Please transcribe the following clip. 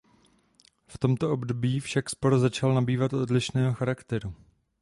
V tomto období však spor začal nabývat odlišného charakteru.